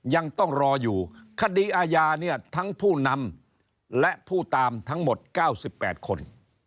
ยังต้องรออยู่คดีอาญาเนี่ยทั้งผู้นำและผู้ตามทั้งหมด๙๘คน